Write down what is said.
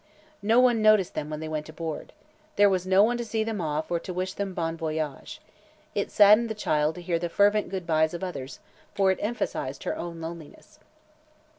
No one noticed them when they went aboard. There was no one to see them off or to wish them "bon voyage." It saddened the child to hear the fervent good byes of others, for it emphasized her own loneliness.